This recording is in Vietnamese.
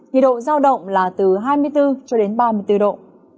nhiệt độ giao động là từ hai mươi bốn cho đến ba mươi bốn độ